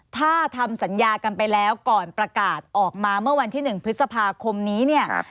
ถ้าทำสัญญากันไปแล้วก่อนประกาศออกมาเมื่อวันที่๑พฤษภาคมนี้เนี่ย